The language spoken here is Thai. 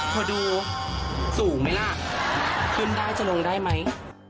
พอดูสูงไหมล่ะขึ้นได้จะลงได้ไหม